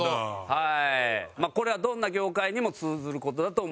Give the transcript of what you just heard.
これはどんな業界にも通ずる事だと思います。